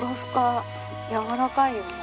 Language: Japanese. やわらかいよね。